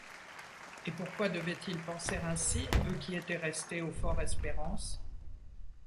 Et pourquoi devaient-ils penser ainsi, eux qui étaient restés au Fort-Espérance?